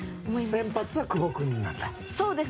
先発は久保君なんだ。